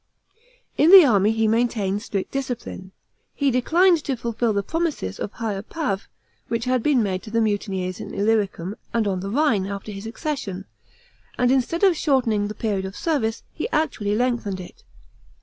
§ 4. In the army he maintained strict discipline. He declined to fulfil the promises of higher pa\7, which had been made to the mutineers in Illyricum and on the Rhine, after his accession; and instead of shortening the period of service, he actually lengthened it.